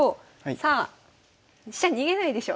さあ飛車逃げないでしょ。